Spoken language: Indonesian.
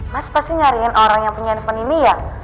mas pasti nyariin orang yang punya handphone ini ya